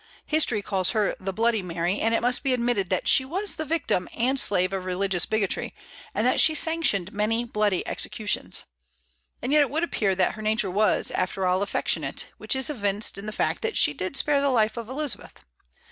History calls her the "Bloody Mary;" and it must be admitted that she was the victim and slave of religious bigotry, and that she sanctioned many bloody executions. And yet it would appear that her nature was, after all, affectionate, which is evinced in the fact that she did spare the life of Elizabeth.